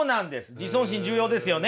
自尊心重要ですよね。